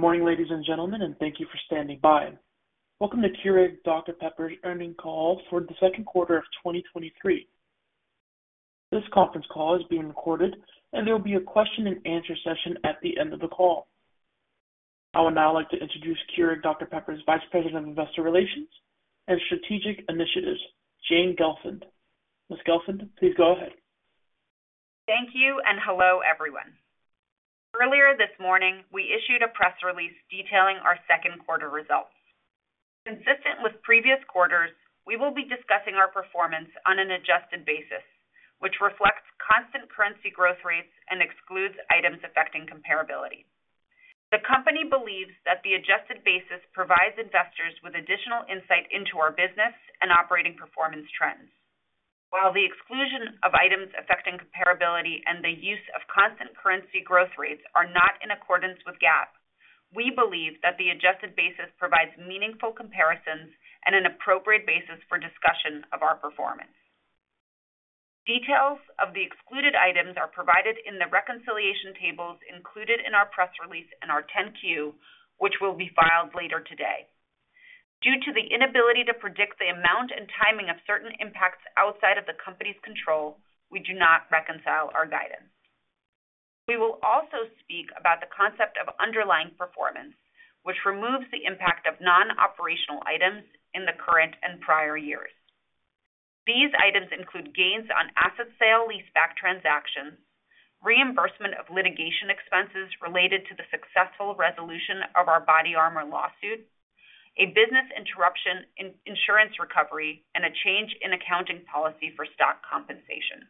Good morning, ladies and gentlemen, and thank you for standing by. Welcome to Keurig Dr Pepper earnings call for the second quarter of 2023. This conference call is being recorded, and there will be a question and answer session at the end of the call. I would now like to introduce Keurig Dr Pepper Vice President of Investor Relations and Strategic Initiatives, Jane Gelfand. Ms. Gelfand, please go ahead. Thank you, and hello, everyone. Earlier this morning, we issued a press release detailing our second quarter results. Consistent with previous quarters, we will be discussing our performance on an adjusted basis, which reflects constant currency growth rates and excludes items affecting comparability. The company believes that the adjusted basis provides investors with additional insight into our business and operating performance trends. While the exclusion of items affecting comparability and the use of constant currency growth rates are not in accordance with GAAP, we believe that the adjusted basis provides meaningful comparisons and an appropriate basis for discussion of our performance. Details of the excluded items are provided in the reconciliation tables included in our press release and our 10-Q, which will be filed later today. Due to the inability to predict the amount and timing of certain impacts outside of the Company's control, we do not reconcile our guidance. We will also speak about the concept of underlying performance, which removes the impact of non-operational items in the current and prior years. These items include gains on asset sale, leaseback transactions, reimbursement of litigation expenses related to the successful resolution of our BodyArmor lawsuit, a business interruption insurance recovery, and a change in accounting policy for stock compensation.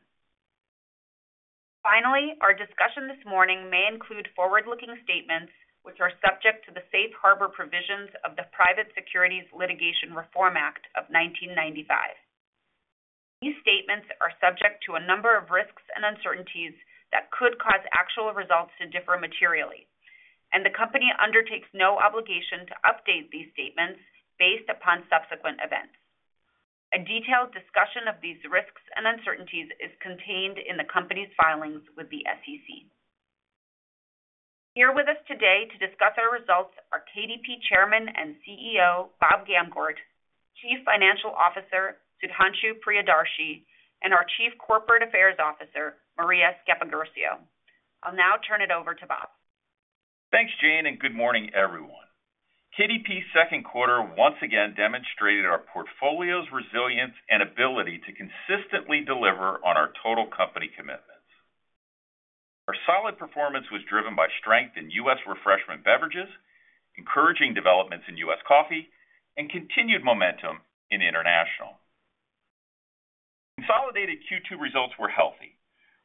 Finally, our discussion this morning may include forward-looking statements which are subject to the Safe Harbor provisions of the Private Securities Litigation Reform Act of 1995. These statements are subject to a number of risks and uncertainties that could cause actual results to differ materially, and the Company undertakes no obligation to update these statements based upon subsequent events. A detailed discussion of these risks and uncertainties is contained in the company's filings with the SEC. Here with us today to discuss our results are KDP Chairman and CEO, Bob Gamgort, Chief Financial Officer, Sudhanshu Priyadarshi, and our Chief Corporate Affairs Officer, Maria Sceppaguercio. I'll now turn it over to Bob. Thanks, Jane. Good morning, everyone. KDP second quarter once again demonstrated our portfolio's resilience and ability to consistently deliver on our total company commitments. Our solid performance was driven by strength in US Refreshment Beverages, encouraging developments in US Coffee, and continued momentum in international. Consolidated Q2 results were healthy,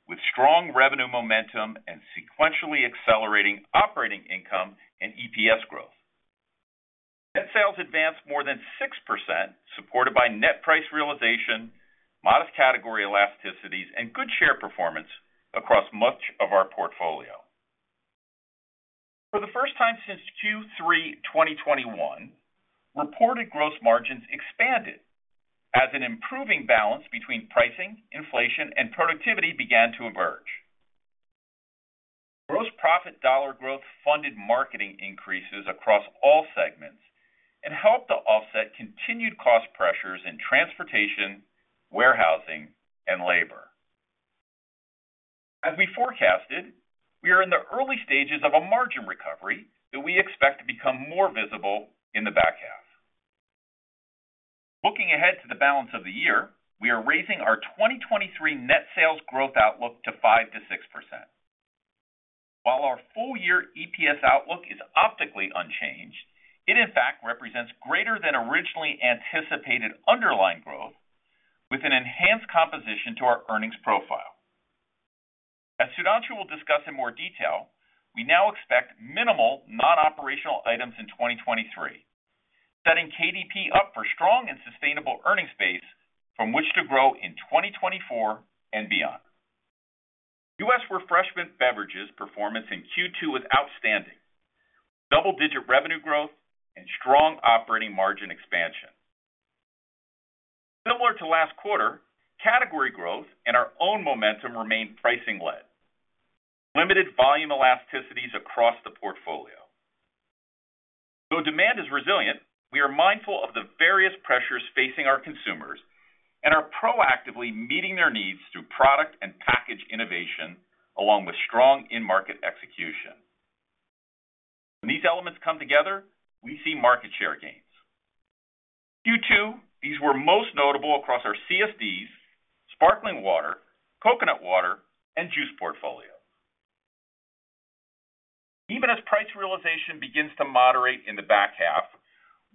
with strong revenue momentum and sequentially accelerating operating income and EPS growth. Net sales advanced more than 6%, supported by net price realization, modest category elasticities, and good share performance across much of our portfolio. For the first time since Q3 2021, reported gross margins expanded as an improving balance between pricing, inflation, and productivity began to emerge. Gross profit dollar growth funded marketing increases across all segments and helped to offset continued cost pressures in transportation, warehousing, and labor. As we forecasted, we are in the early stages of a margin recovery that we expect to become more visible in the back half. Looking ahead to the balance of the year, we are raising our 2023 net sales growth outlook to 5%-6%. While our full-year EPS outlook is optically unchanged, it in fact represents greater than originally anticipated underlying growth with an enhanced composition to our earnings profile. As Sudhanshu will discuss in more detail, we now expect minimal non-operational items in 2023, setting KDP up for strong and sustainable earnings base from which to grow in 2024 and beyond. US Refreshment Beverages performance in Q2 was outstanding, with double-digit revenue growth and strong operating margin expansion. Similar to last quarter, category growth and our own momentum remained pricing-led, with limited volume elasticities across the portfolio. Though demand is resilient, we are mindful of the various pressures facing our consumers and are proactively meeting their needs through product and package innovation, along with strong in-market execution. When these elements come together, we see market share gains. Q2, these were most notable across our CSDs, sparkling water, coconut water, and juice portfolio. Even as price realization begins to moderate in the back half,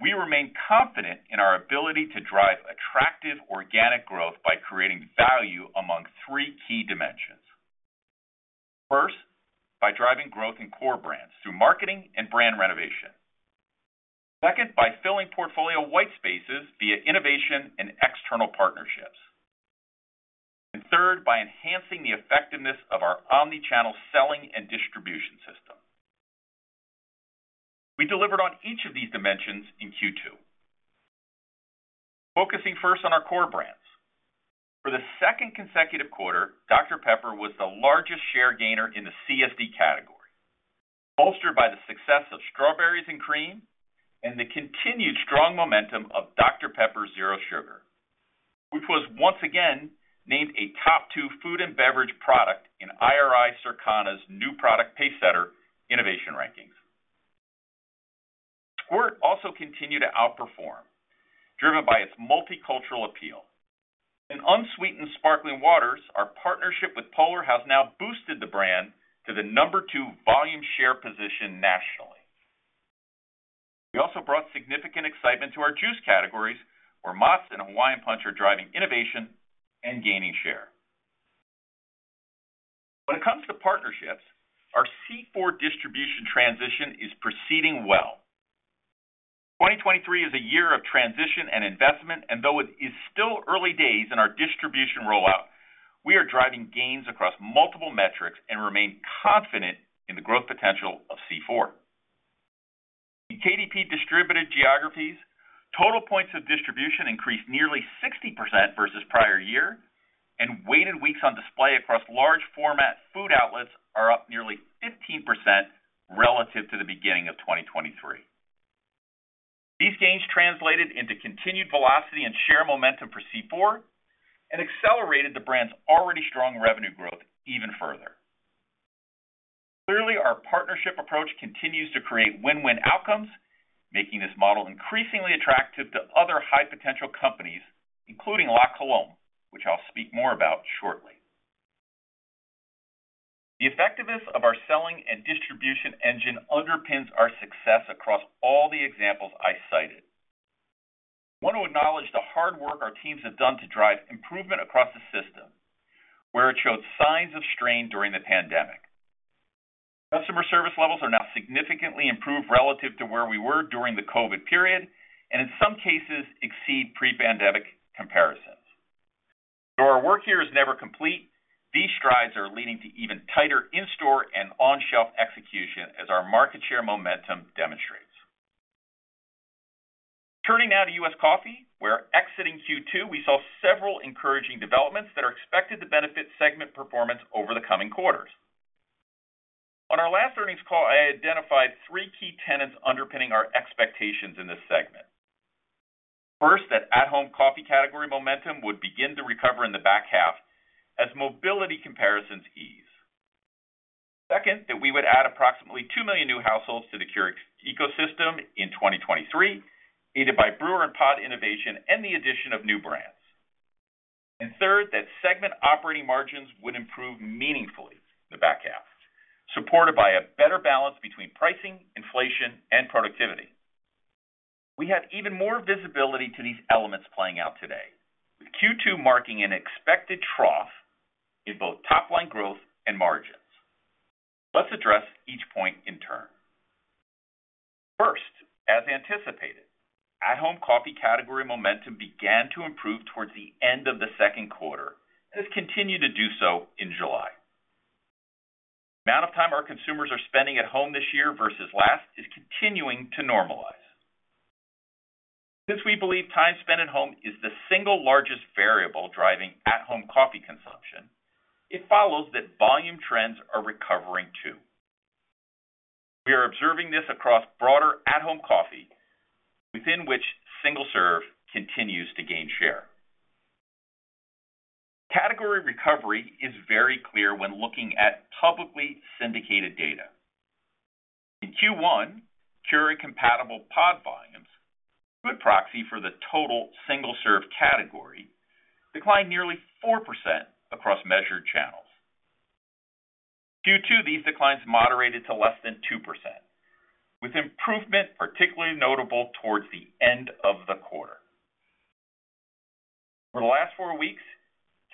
we remain confident in our ability to drive attractive organic growth by creating value among three key dimensions. First, by driving growth in core brands through marketing and brand renovation. Second, by filling portfolio white spaces via innovation and external partnerships. Third, by enhancing the effectiveness of our omni-channel selling and distribution system. We delivered on each of these dimensions in Q2. Focusing first on our core brands. For the second consecutive quarter, Dr Pepper was the largest share gainer in the CSD category, bolstered by the success of Strawberries & Cream and the continued strong momentum of Dr Pepper Zero Sugar, which was once again named a top two food and beverage product in IRI Circana's New Product Pacesetter Innovation Rankings. Squirt also continued to outperform, driven by its multicultural appeal. In unsweetened sparkling waters, our partnership with Polar has now boosted the brand to the number two volume share position nationally. We also brought significant excitement to our juice categories, where Mott's and Hawaiian Punch are driving innovation and gaining share. When it comes to partnerships, our C4 distribution transition is proceeding well. 2023 is a year of transition and investment, and though it is still early days in our distribution rollout, we are driving gains across multiple metrics and remain confident in the growth potential of C4. In KDP distributed geographies, total points of distribution increased nearly 60% versus prior year, and weighted weeks on display across large format food outlets are up nearly 15% relative to the beginning of 2023. These gains translated into continued velocity and share momentum for C4 and accelerated the brand's already strong revenue growth even further. Clearly, our partnership approach continues to create win-win outcomes, making this model increasingly attractive to other high-potential companies, including La Colombe, which I'll speak more about shortly. The effectiveness of our selling and distribution engine underpins our success across all the examples I cited. I want to acknowledge the hard work our teams have done to drive improvement across the system, where it showed signs of strain during the pandemic. Customer service levels are now significantly improved relative to where we were during the COVID period, and in some cases, exceed pre-pandemic comparisons. Though our work here is never complete, these strides are leading to even tighter in-store and on-shelf execution, as our market share momentum demonstrates. Turning now to US Coffee, where exiting Q2, we saw several encouraging developments that are expected to benefit segment performance over the coming quarters. On our last earnings call, I identified three key tenets underpinning our expectations in this segment. First, that at-home coffee category momentum would begin to recover in the back half as mobility comparisons ease. Second, that we would add approximately 2 million new households to the Keurig ecosystem in 2023, aided by brewer and pod innovation and the addition of new brands. Third, that segment operating margins would improve meaningfully in the back half, supported by a better balance between pricing, inflation, and productivity. We have even more visibility to these elements playing out today, with Q2 marking an expected trough in both top-line growth and margins. Let's address each point in turn. First, as anticipated, at-home coffee category momentum began to improve towards the end of the second quarter and has continued to do so in July. The amount of time our consumers are spending at home this year versus last is continuing to normalize. Since we believe time spent at home is the single largest variable driving at-home coffee consumption, it follows that volume trends are recovering, too. We are observing this across broader at-home coffee, within which single-serve continues to gain share. Category recovery is very clear when looking at publicly syndicated data. In Q1, Keurig-compatible pod volumes, a good proxy for the total single-serve category, declined nearly 4% across measured channels. Q2, these declines moderated to less than 2%, with improvement particularly notable towards the end of the quarter. For the last four weeks,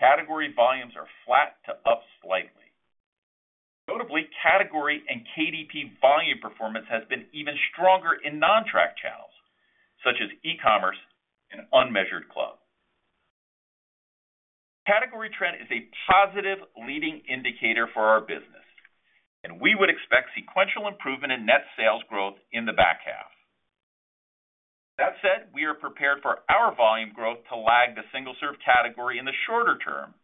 category volumes are flat to up slightly. Notably, category and KDP volume performance has been even stronger in non-track channels such as e-commerce and unmeasured club. Category trend is a positive leading indicator for our business, and we would expect sequential improvement in net sales growth in the back half. That said, we are prepared for our volume growth to lag the single-serve category in the shorter term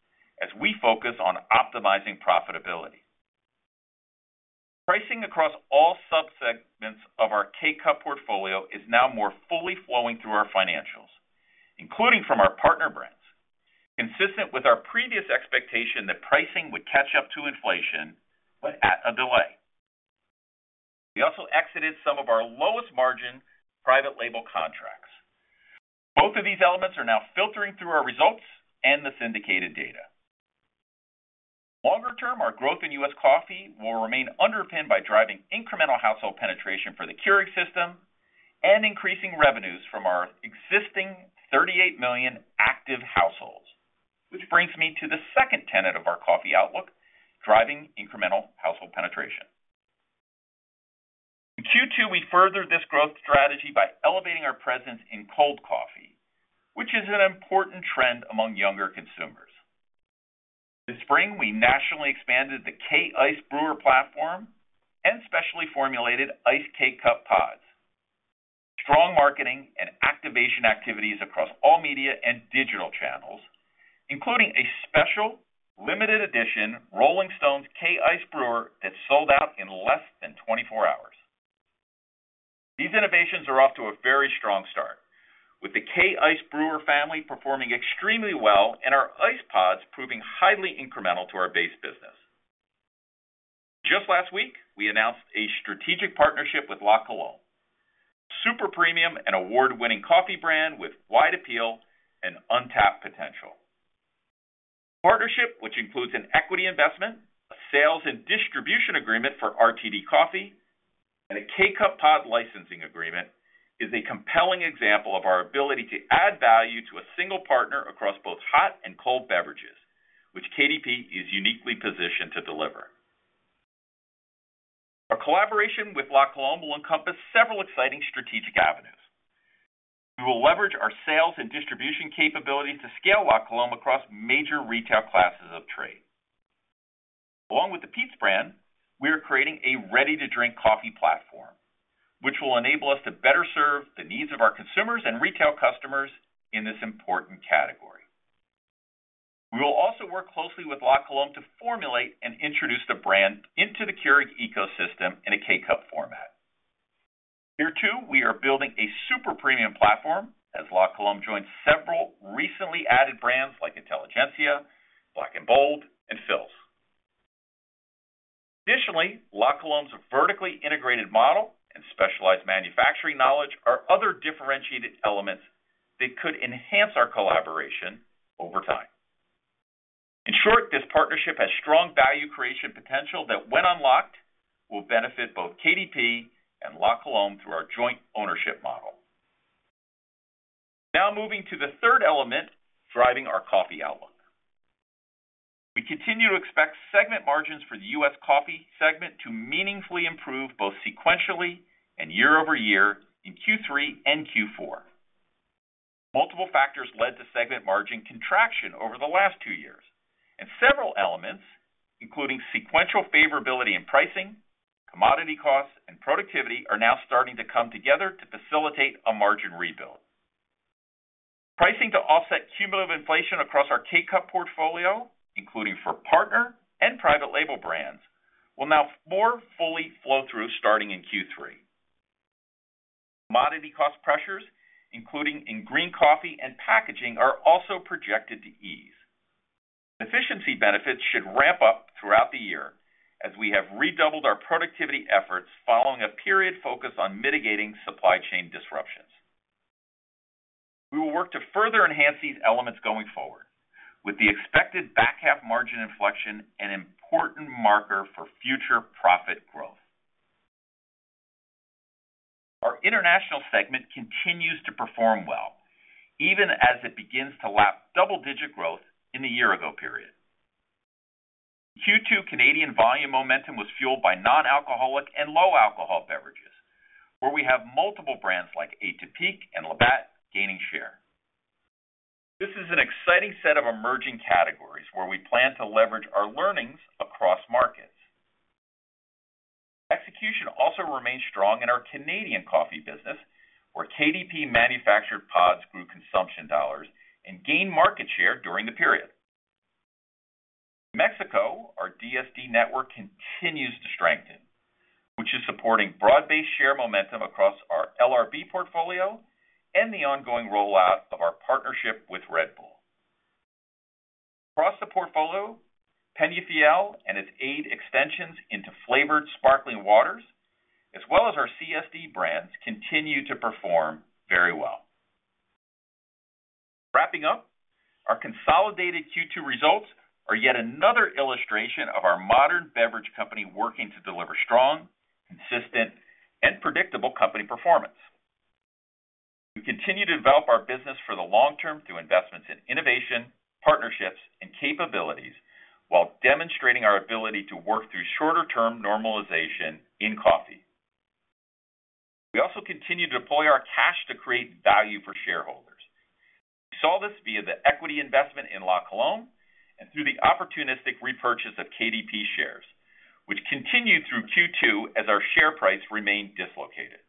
as we focus on optimizing profitability. Pricing across all subsegments of our K-Cup portfolio is now more fully flowing through our financials, including from our partner brands, consistent with our previous expectation that pricing would catch up to inflation, but at a delay. We also exited some of our lowest-margin private label contracts. Both of these elements are now filtering through our results and the syndicated data. Longer term, our growth in US Coffee will remain underpinned by driving incremental household penetration for the Keurig system and increasing revenues from our existing 38 million active households, which brings me to the second tenet of our coffee outlook, driving incremental household penetration. In Q2, we furthered this growth strategy by elevating our presence in cold coffee, which is an important trend among younger consumers.... This spring, we nationally expanded the K-Iced Brewer platform and specially formulated ice K-Cup pods. Strong marketing and activation activities across all media and digital channels, including a special limited edition The Rolling Stones K-Iced Brewer that sold out in less than 24 hours. These innovations are off to a very strong start, with the K-Iced Brewer family performing extremely well and our ice pods proving highly incremental to our base business. Just last week, we announced a strategic partnership with La Colombe, a super premium and award-winning coffee brand with wide appeal and untapped potential. Partnership, which includes an equity investment, a sales and distribution agreement for RTD coffee, and a K-Cup pod licensing agreement, is a compelling example of our ability to add value to a single partner across both hot and cold beverages, which KDP is uniquely positioned to deliver. Our collaboration with La Colombe will encompass several exciting strategic avenues. We will leverage our sales and distribution capabilities to scale La Colombe across major retail classes of trade. Along with the Peet's brand, we are creating a ready-to-drink coffee platform, which will enable us to better serve the needs of our consumers and retail customers in this important category. We will also work closely with La Colombe to formulate and introduce the brand into the Keurig ecosystem in a K-Cup format. Here, too, we are building a super premium platform as La Colombe joins several recently added brands like Intelligentsia, BLK & Bold, and Philz. Additionally, La Colombe's vertically integrated model and specialized manufacturing knowledge are other differentiated elements that could enhance our collaboration over time. In short, this partnership has strong value creation potential that, when unlocked, will benefit both KDP and La Colombe through our joint ownership model. Now moving to the third element driving our coffee outlook. We continue to expect segment margins for the US Coffee segment to meaningfully improve both sequentially and year-over-year in Q3 and Q4. Multiple factors led to segment margin contraction over the last two years, and several elements, including sequential favorability in pricing, commodity costs, and productivity, are now starting to come together to facilitate a margin rebuild. Pricing to offset cumulative inflation across our K-Cup portfolio, including for partner and private label brands, will now more fully flow through starting in Q3. Commodity cost pressures, including in green coffee and packaging, are also projected to ease. Efficiency benefits should ramp up throughout the year as we have redoubled our productivity efforts following a period focused on mitigating supply chain disruptions. We will work to further enhance these elements going forward, with the expected back half margin inflection an important marker for future profit growth. Our international segment continues to perform well, even as it begins to lap double-digit growth in the year ago period. Q2 Canadian volume momentum was fueled by non-alcoholic and low-alcohol beverages, where we have multiple brands like Eight O'Clock and Labatt gaining share. This is an exciting set of emerging categories where we plan to leverage our learnings across markets. Execution also remains strong in our Canadian coffee business, where KDP manufactured pods grew consumption dollars and gained market share during the period. In Mexico, our DSD network continues to strengthen, which is supporting broad-based share momentum across our LRB portfolio and the ongoing rollout of our partnership with Red Bull. Across the portfolio, Peñafiel and its aid extensions into flavored sparkling waters, as well as our CSD brands, continue to perform very well. Wrapping up, our consolidated Q2 results are yet another illustration of our modern beverage company working to deliver strong, consistent, and predictable company performance. We continue to develop our business for the long term through investments in innovation, partnerships, and capabilities, while demonstrating our ability to work through shorter-term normalization in coffee. We also continue to deploy our cash to create value for shareholders. You saw this via the equity investment in La Colombe and through the opportunistic repurchase of KDP shares, which continued through Q2 as our share price remained dislocated.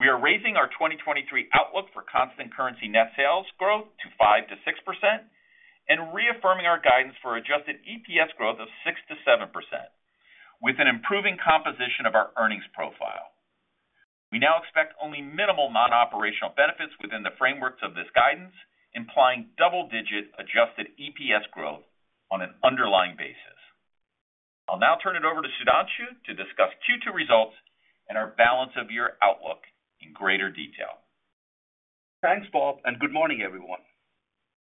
We are raising our 2023 outlook for constant currency net sales growth to 5%-6% and reaffirming our guidance for adjusted EPS growth of 6%-7%, with an improving composition of our earnings profile. We now expect only minimal non-operational benefits within the frameworks of this guidance, implying double-digit adjusted EPS growth on an underlying basis. I'll now turn it over to Sudhanshu to discuss Q2 results and our balance of year outlook in greater detail. Thanks, Bob. Good morning, everyone.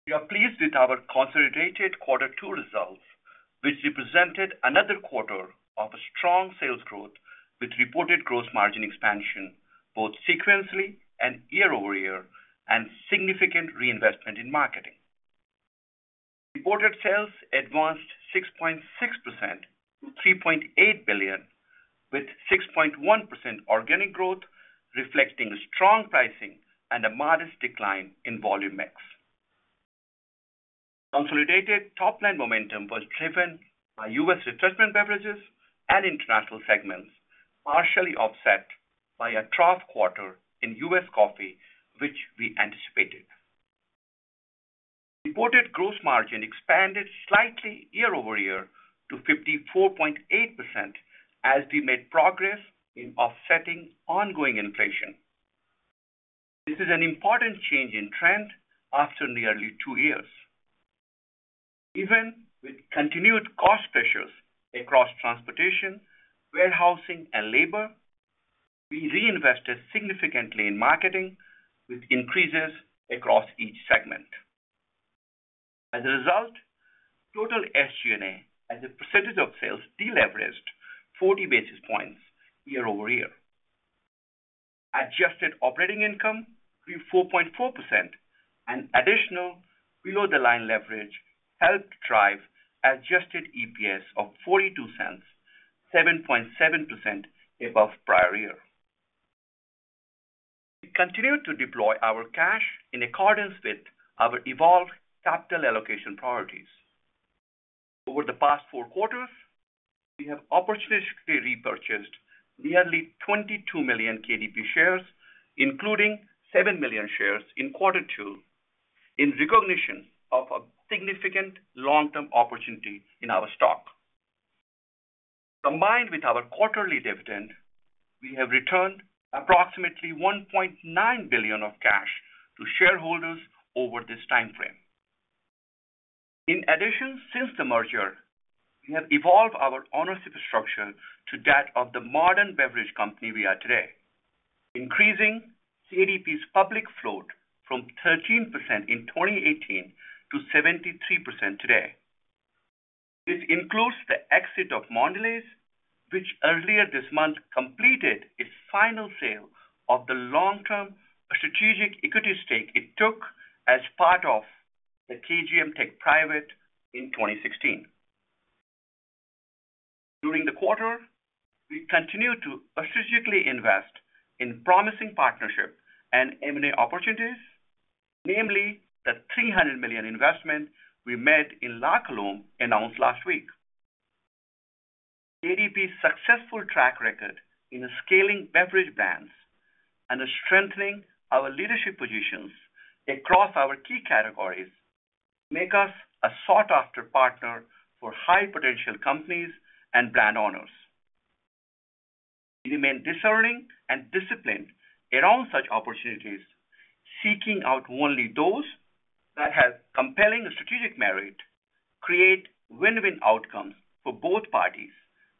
We are pleased with our consolidated quarter two results, which represented another quarter of strong sales growth with reported gross margin expansion, both sequentially and year-over-year, and significant reinvestment in marketing. Reported sales advanced 6.6% to $3.8 billion. With 6.1% organic growth, reflecting strong pricing and a modest decline in volume mix. Consolidated top-line momentum was driven by US Refreshment Beverages and international segments, partially offset by a trough quarter in US Coffee, which we anticipated. Reported gross margin expanded slightly year-over-year to 54.8% as we made progress in offsetting ongoing inflation. This is an important change in trend after nearly two years. Even with continued cost pressures across transportation, warehousing, and labor, we reinvested significantly in marketing, with increases across each segment. As a result, total SG&A as a percentage of sales, deleveraged 40 basis points year-over-year. Adjusted operating income grew 4.4%. An additional below-the-line leverage helped drive adjusted EPS of $0.42, 7.7% above prior year. We continue to deploy our cash in accordance with our evolved capital allocation priorities. Over the past four quarters, we have opportunistically repurchased nearly 22 million KDP shares, including 7 million shares in quarter two, in recognition of a significant long-term opportunity in our stock. Combined with our quarterly dividend, we have returned approximately $1.9 billion of cash to shareholders over this time frame. In addition, since the merger, we have evolved our ownership structure to that of the modern beverage company we are today, increasing KDP's public float from 13% in 2018 to 73% today. This includes the exit of Mondelez, which earlier this month completed its final sale of the long-term strategic equity stake it took as part of the KGM take private in 2016. During the quarter, we continued to strategically invest in promising partnership and M&A opportunities, namely the $300 million investment we made in La Colombe, announced last week. KDP's successful track record in scaling beverage brands and strengthening our leadership positions across our key categories, make us a sought-after partner for high-potential companies and brand owners. We remain discerning and disciplined around such opportunities, seeking out only those that have compelling strategic merit, create win-win outcomes for both parties,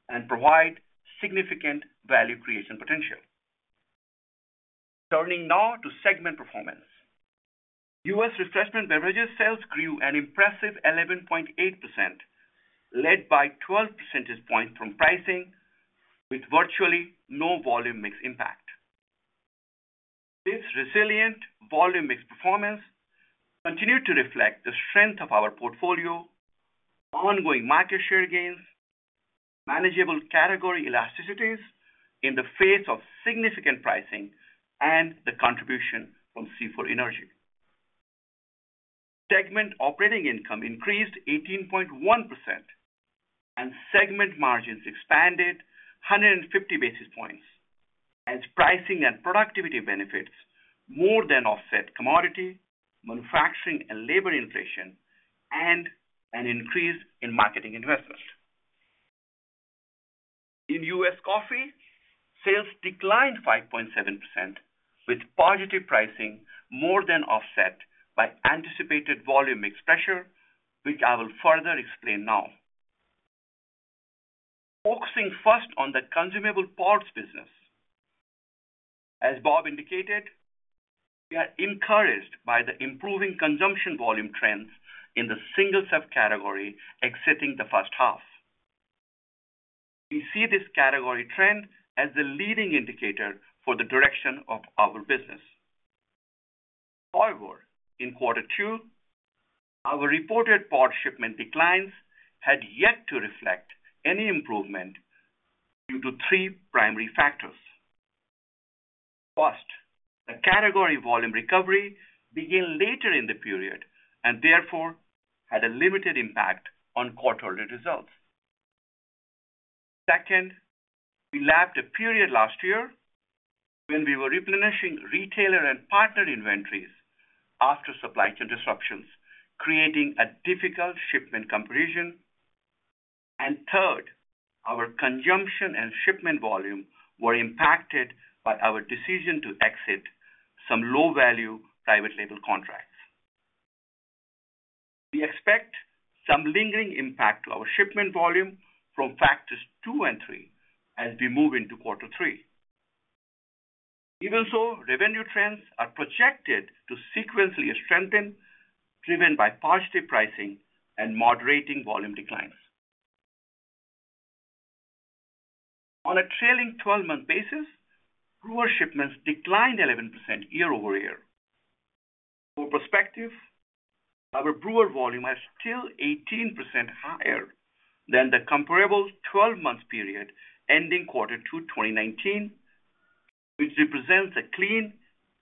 and provide significant value creation potential. Turning now to segment performance. US Refreshment Beverages sales grew an impressive 11.8%, led by 12 percentage points from pricing, with virtually no volume mix impact. This resilient volume mix performance continued to reflect the strength of our portfolio, ongoing market share gains, manageable category elasticities in the face of significant pricing, and the contribution from C4 Energy. Segment operating income increased 18.1%, and segment margins expanded 150 basis points, as pricing and productivity benefits more than offset commodity, manufacturing, and labor inflation, and an increase in marketing investments. In US Coffee, sales declined 5.7%, with positive pricing more than offset by anticipated volume mix pressure, which I will further explain now. Focusing first on the consumable pods business. As Bob indicated, we are encouraged by the improving consumption volume trends in the single-serve category exiting the first half. We see this category trend as the leading indicator for the direction of our business. However, in Q2, our reported pod shipment declines had yet to reflect any improvement due to three primary factors. First, the category volume recovery began later in the period and therefore had a limited impact on quarterly results. Second, we lapped a period last year when we were replenishing retailer and partner inventories after supply chain disruptions, creating a difficult shipment comparison. Third, our consumption and shipment volume were impacted by our decision to exit some low-value private label contracts. We expect some lingering impact to our shipment volume from factors two and three as we move into Q3. Even so, revenue trends are projected to sequentially strengthen, driven by positive pricing and moderating volume declines. On a trailing 12-month basis, brewer shipments declined 11% year-over-year. For perspective, our brewer volume are still 18% higher than the comparable 12-month period ending Q2, 2019, which represents a clean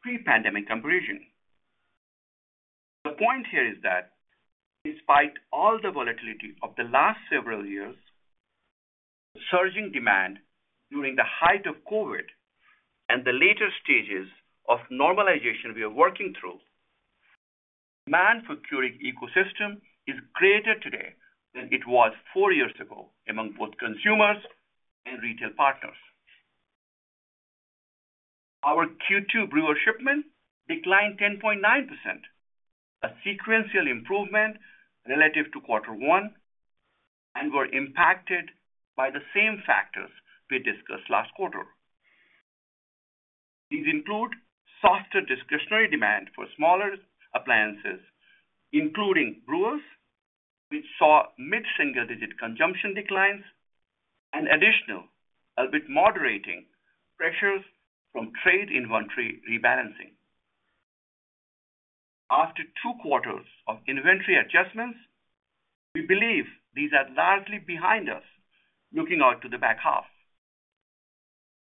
pre-pandemic comparison. The point here is that despite all the volatility of the last several years, surging demand during the height of COVID, and the later stages of normalization we are working through, demand for Keurig ecosystem is greater today than it was four years ago among both consumers and retail partners. Our Q2 brewer shipments declined 10.9%, a sequential improvement relative to Q1, and were impacted by the same factors we discussed last quarter. These include softer discretionary demand for smaller appliances, including brewers, which saw mid-single-digit consumption declines and additional, albeit moderating pressures from trade inventory rebalancing. After two quarters of inventory adjustments, we believe these are largely behind us looking out to the back half.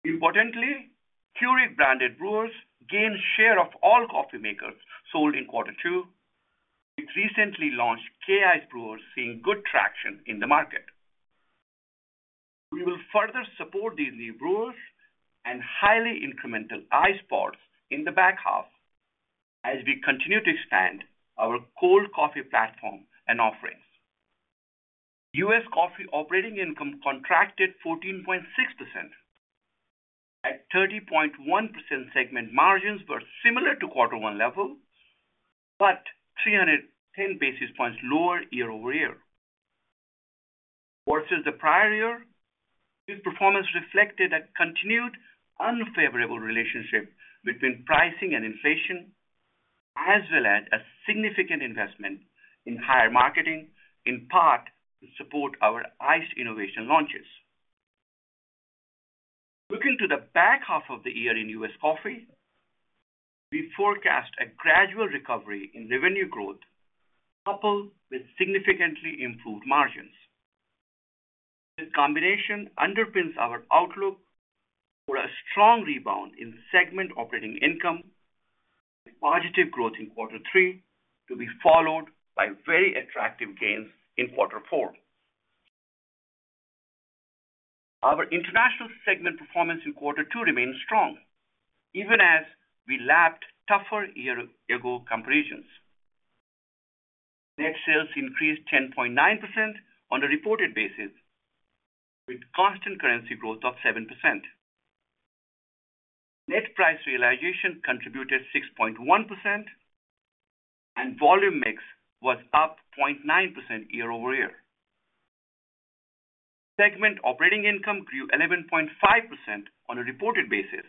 Importantly, Keurig branded brewers gained share of all coffee makers sold in Q2, with recently launched K-Iced brewers seeing good traction in the market. We will further support these new brewers and highly incremental ice pods in the back half as we continue to expand our cold coffee platform and offerings. US Coffee operating income contracted 14.6%. At 30.1%, segment margins were similar to Q1 level, but 310 basis points lower year-over-year. Versus the prior year, this performance reflected a continued unfavorable relationship between pricing and inflation, as well as a significant investment in higher marketing, in part to support our iced innovation launches. Looking to the back half of the year in US Coffee, we forecast a gradual recovery in revenue growth, coupled with significantly improved margins. This combination underpins our outlook for a strong rebound in segment operating income, with positive growth in Q3 to be followed by very attractive gains in Q4. Our international segment performance in Q2 remains strong, even as we lapped tougher year-ago comparisons. Net sales increased 10.9% on a reported basis, with constant currency growth of 7%. Net price realization contributed 6.1%, and volume mix was up 0.9% year-over-year. Segment operating income grew 11.5% on a reported basis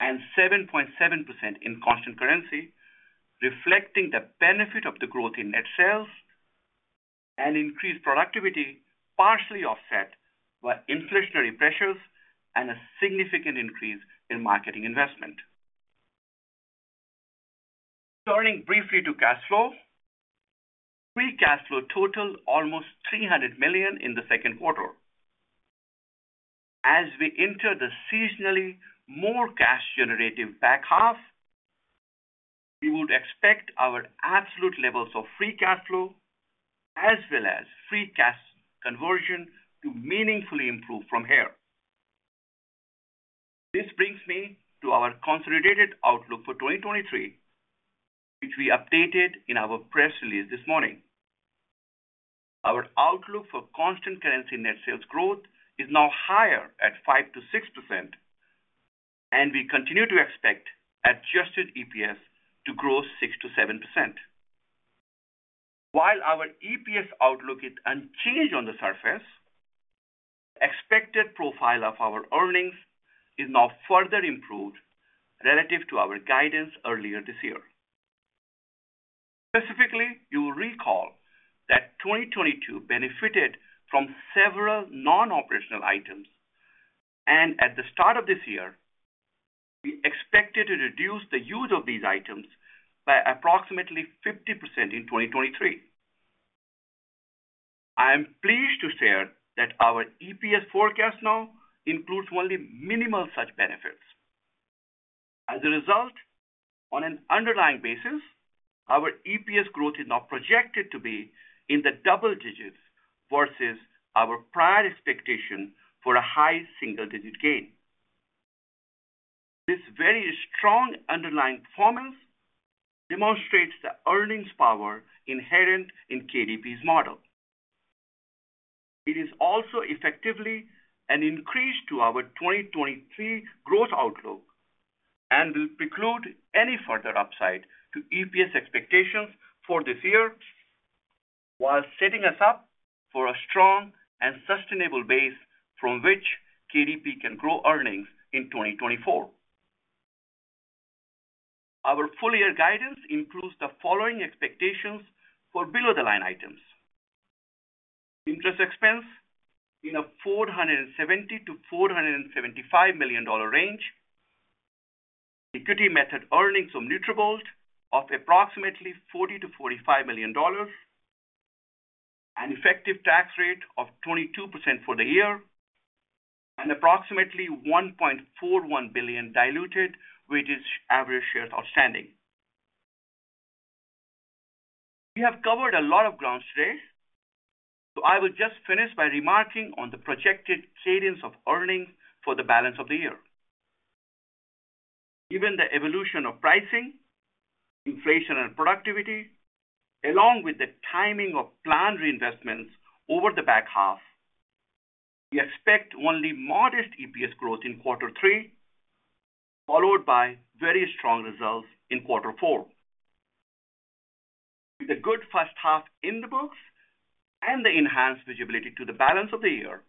and 7.7% in constant currency, reflecting the benefit of the growth in net sales and increased productivity, partially offset by inflationary pressures and a significant increase in marketing investment. Turning briefly to cash flow. Free cash flow totaled almost $300 million in the second quarter. As we enter the seasonally more cash generative back half, we would expect our absolute levels of free cash flow as well as free cash conversion to meaningfully improve from here. This brings me to our consolidated outlook for 2023, which we updated in our press release this morning. Our outlook for constant currency net sales growth is now higher at 5%-6%. We continue to expect adjusted EPS to grow 6%-7%. While our EPS outlook is unchanged on the surface, expected profile of our earnings is now further improved relative to our guidance earlier this year. Specifically, you will recall that 2022 benefited from several non-operational items. At the start of this year, we expected to reduce the use of these items by approximately 50% in 2023. I am pleased to share that our EPS forecast now includes only minimal such benefits. As a result, on an underlying basis, our EPS growth is now projected to be in the double digits versus our prior expectation for a high single-digit gain. This very strong underlying performance demonstrates the earnings power inherent in KDP's model. It is also effectively an increase to our 2023 growth outlook and will preclude any further upside to EPS expectations for this year, while setting us up for a strong and sustainable base from which KDP can grow earnings in 2024. Our full-year guidance includes the following expectations for below-the-line items. Interest expense in a $470 million-$475 million range. Equity method earnings from Nutrabolt of approximately $40 million-$45 million. An effective tax rate of 22% for the year. Approximately 1.41 billion diluted, which is average shares outstanding. We have covered a lot of ground today. I will just finish by remarking on the projected cadence of earnings for the balance of the year. Given the evolution of pricing, inflation, and productivity, along with the timing of planned reinvestments over the back half, we expect only modest EPS growth in Q3, followed by very strong results in Q4. With a good first half in the books and the enhanced visibility to the balance of the year,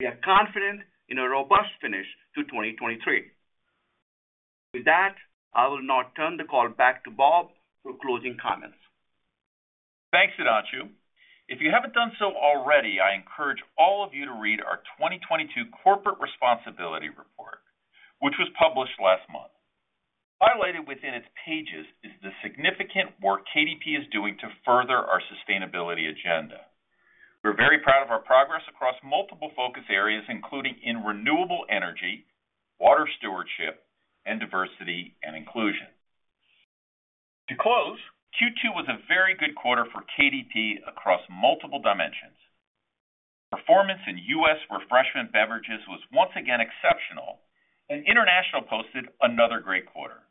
we are confident in a robust finish to 2023. With that, I will now turn the call back to Bob for closing comments. Thanks, Sudhanshu. If you haven't done so already, I encourage all of you to read our 2022 Corporate Responsibility Report, which was published last month. Highlighted within its pages is the significant work KDP is doing to further our sustainability agenda. We're very proud of our progress across multiple focus areas, including in renewable energy, water stewardship, and diversity and inclusion. To close, Q2 was a very good quarter for KDP across multiple dimensions. Performance in US Refreshment Beverages was once again exceptional, and international posted another great quarter.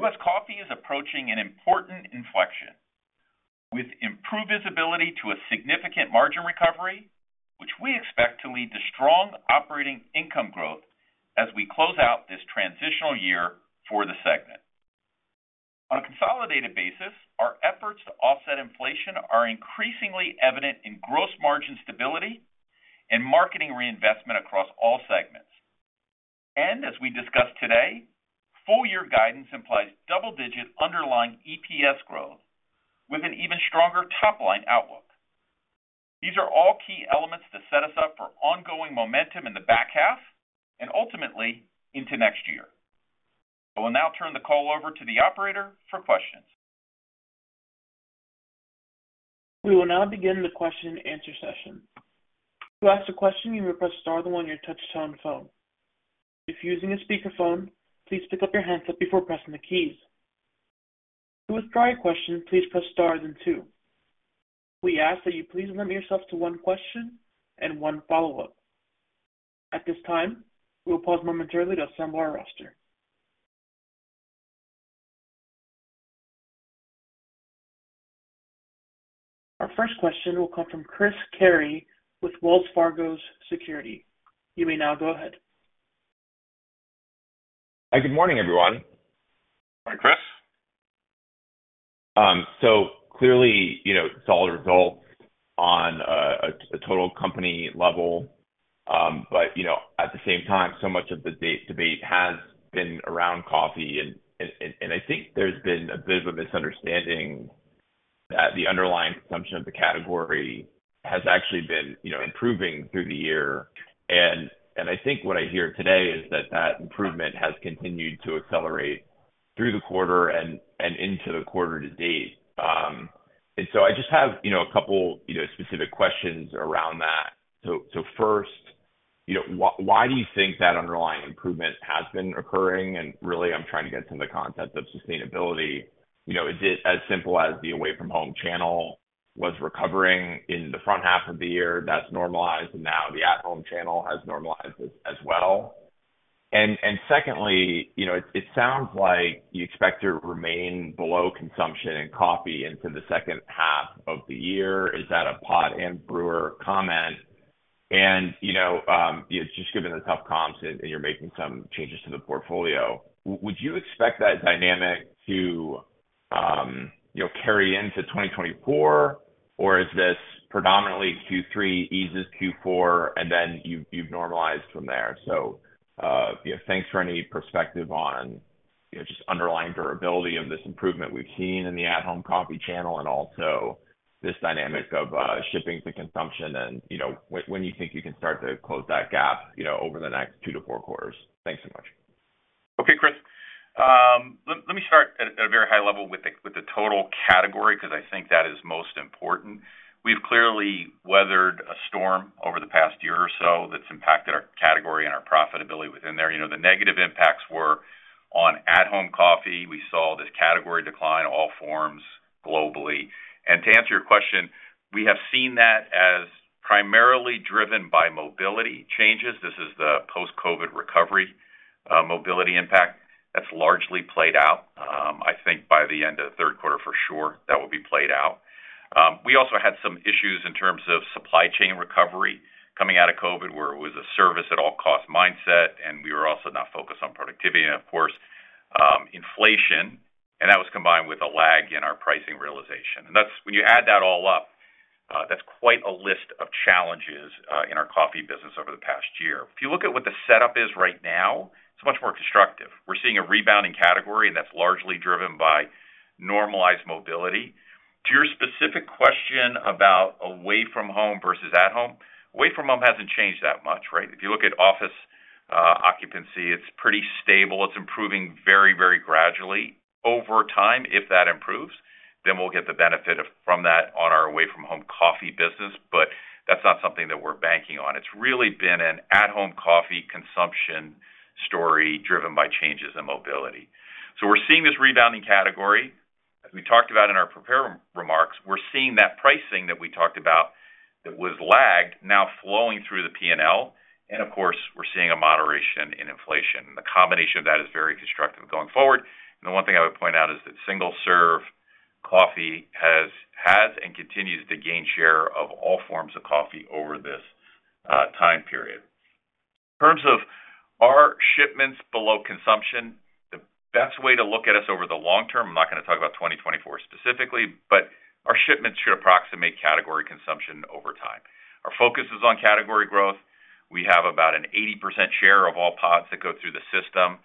US Coffee is approaching an important inflection with improved visibility to a significant margin recovery, which we expect to lead to strong operating income growth as we close out this transitional year for the segment. On a consolidated basis, our efforts to offset inflation are increasingly evident in gross margin stability and marketing reinvestment across all segments. As we discussed today, full-year guidance implies double-digit underlying EPS growth with an even stronger top-line outlook. These are all key elements to set us up for ongoing momentum in the back half and ultimately into next year. I will now turn the call over to the operator for questions. We will now begin the question and answer session. To ask a question, you may press star one on your touchtone phone. If you're using a speakerphone, please pick up your handset before pressing the keys. To withdraw your question, please press star then two. We ask that you please limit yourself to one question and one follow-up. At this time, we will pause momentarily to assemble our roster. Our first question will come from Chris Carey with Wells Fargo Securities. You may now go ahead. Hi, good morning, everyone. Good morning, Chris. Clearly, you know, solid results on a total company level. you know, at the same time, so much of the debate has been around coffee, and I think there's been a bit of a misunderstanding that the underlying consumption of the category has actually been, you know, improving through the year. I think what I hear today is that that improvement has continued to accelerate through the quarter and into the quarter to date. I just have, you know, a couple, you know, specific questions around that. first, you know, why do you think that underlying improvement has been occurring? Really, I'm trying to get to the concept of sustainability. You know, is it as simple as the away from home channel was recovering in the front half of the year, that's normalized, and now the at-home channel has normalized as well? Secondly, you know, it sounds like you expect to remain below consumption and coffee into the second half of the year. Is that a pod and brewer comment? You know, just given the tough comps and you're making some changes to the portfolio, would you expect that dynamic to, you know, carry into 2024, or is this predominantly Q3, eases Q4, and then you've normalized from there? Yeah, thanks for any perspective on, you know, just underlying durability of this improvement we've seen in the at-home coffee channel and also this dynamic of shipping to consumption and, you know, when you think you can start to close that gap, you know, over the next two quarters to four quarters. Thanks so much. Okay, Chris. Let me start at a very high level with the total category, 'cause I think that is most important. We've clearly weathered a storm over the past year or so that's impacted our category and our profitability within there. You know, the negative impacts were on at-home coffee. We saw the category decline, all forms globally. To answer your question, we have seen that as primarily driven by mobility changes. This is the post-COVID recovery, mobility impact. That's largely played out. I think by the end of the third quarter, for sure, that will be played out. We also had some issues in terms of supply chain recovery coming out of COVID, where it was a service at all cost mindset, and we were also not focused on productivity and of course, inflation, and that was combined with a lag in our pricing realization. When you add that all up, that's quite a list of challenges in our coffee business over the past year. If you look at what the setup is right now, it's much more constructive. We're seeing a rebounding category, that's largely driven by normalized mobility. To your specific question about away from home versus at home, away from home hasn't changed that much, right? If you look at office occupancy, it's pretty stable. It's improving very, very gradually over time. If that improves, we'll get the benefit from that on our away from home coffee business. That's not something that we're banking on. It's really been an at-home coffee consumption story driven by changes in mobility. We're seeing this rebounding category. As we talked about in our prepared remarks, we're seeing that pricing that we talked about that was lagged, now flowing through the P&L, and of course, we're seeing a moderation in inflation. The combination of that is very constructive going forward. The one thing I would point out is that single-serve coffee has and continues to gain share of all forms of coffee over this time period. In terms of are shipments below consumption, the best way to look at us over the long term, I'm not gonna talk about 2024 specifically, but our shipments should approximate category consumption over time. Our focus is on category growth. We have about an 80% share of all pods that go through the system.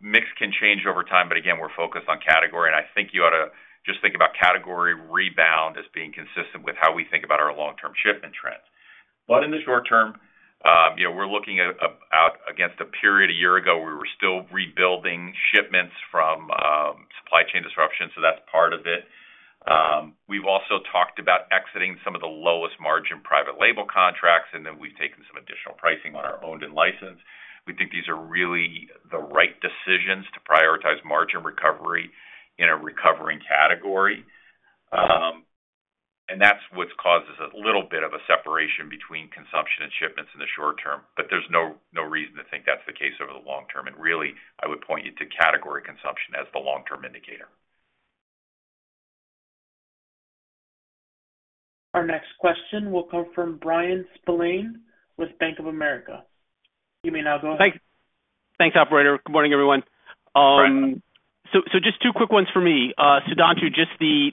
Mix can change over time, but again, we're focused on category, and I think you ought to just think about category rebound as being consistent with how we think about our long-term shipment trends. In the short term, you know, we're looking at out against a period a year ago where we were still rebuilding shipments from supply chain disruption, so that's part of it. We've also talked about exiting some of the lowest margin private label contracts, then we've taken some additional pricing on our owned and licensed. We think these are really the right decisions to prioritize margin recovery in a recovering category. That's what causes a little bit of a separation between consumption and shipments in the short term. There's no reason to think that's the case over the long term. Really, I would point you to category consumption as the long-term indicator. Our next question will come from Bryan Spillane with Bank of America. You may now go ahead. Thanks. Thanks, operator. Good morning, everyone. Brian. So, just two quick ones for me. Sudhanshu, just the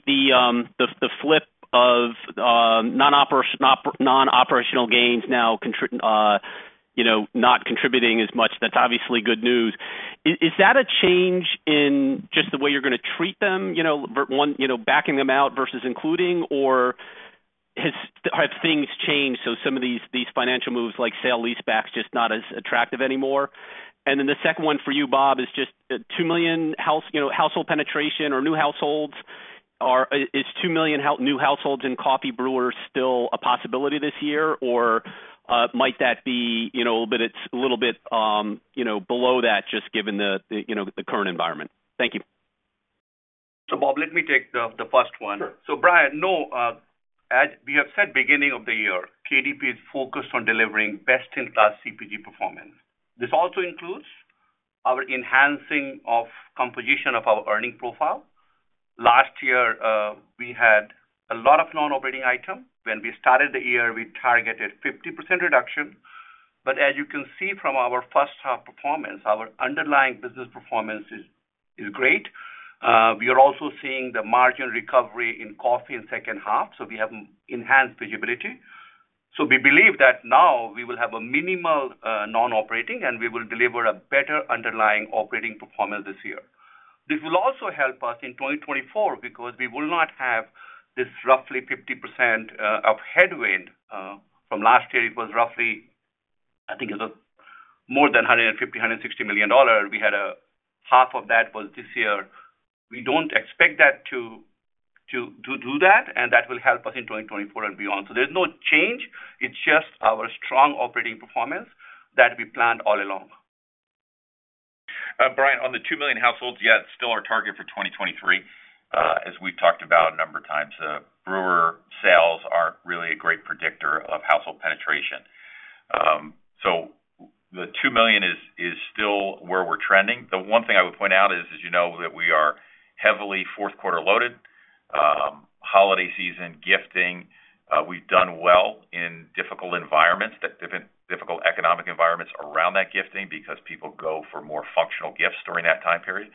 flip of non-operational gains now, you know, not contributing as much, that's obviously good news. Is that a change in just the way you're gonna treat them? You know, one, you know, backing them out versus including, or have things changed, so some of these financial moves, like sale, lease backs, just not as attractive anymore? Then the second one for you, Bob, is just 2 million, you know, household penetration or new households. Is 2 million new households in coffee brewers still a possibility this year, or might that be, you know, a little bit, it's a little bit, you know, below that, just given the, you know, the current environment? Thank you. Bob, let me take the first one. Sure. Bryan, no, as we have said, beginning of the year, KDP is focused on delivering best-in-class CPG performance. This also includes our enhancing of composition of our earning profile. Last year, we had a lot of non-operating items. When we started the year, we targeted 50% reduction. As you can see from our first half performance, our underlying business performance is great. We are also seeing the margin recovery in coffee in second half, so we have enhanced visibility. We believe that now we will have a minimal non-operating, and we will deliver a better underlying operating performance this year. This will also help us in 2024 because we will not have this roughly 50% of headwind. From last year, it was roughly, I think, it was more than $150 million-$160 million. We had a half of that was this year. We don't expect that to do that. That will help us in 2024 and beyond. There's no change. It's just our strong operating performance that we planned all along. Brian, on the 2 million households, yeah, it's still our target for 2023. As we've talked about a number of times, brewer sales are really a great predictor of household penetration. So the 2 million is still where we're trending. The one thing I would point out is, as you know, that we are heavily fourth quarter loaded. Holiday season, gifting, we've done well in difficult environments, that difficult economic environments around that gifting because people go for more functional gifts during that time period.